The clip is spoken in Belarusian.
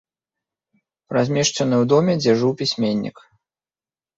Размешчаны ў доме, дзе жыў пісьменнік.